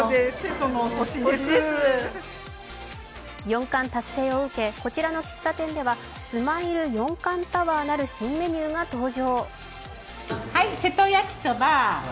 四冠達成を受け、こちらの喫茶店ではスマイル四冠タワーなる新メニューが登場。